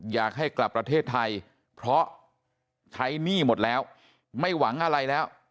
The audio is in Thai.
อยากให้กลับประเทศไทยเพราะใช้หนี้หมดแล้วไม่หวังอะไรแล้ว